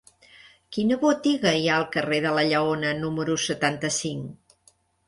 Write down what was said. Quina botiga hi ha al carrer de la Lleona número setanta-cinc?